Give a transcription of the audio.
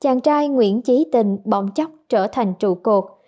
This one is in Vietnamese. chàng trai nguyễn chí tình bỏng chóc trở thành trụ cột